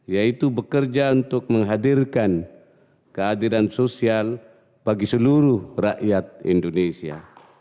yaitu bekerja untuk menghadirkan kehadiran sosial bagi seluruh rakyat indonesia